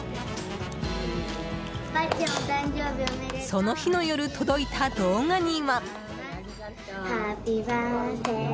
その日の夜、届いた動画には。